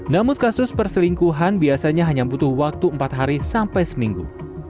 namun kasus perselingkuhan biasanya hanya butuh waktu empat hari sampai seminggu